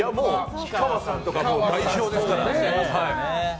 氷川さんとか代表ですからね。